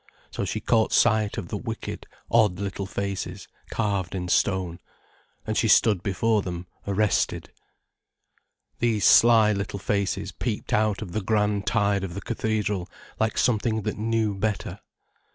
So she caught sight of the wicked, odd little faces carved in stone, and she stood before them arrested. These sly little faces peeped out of the grand tide of the cathedral like something that knew better.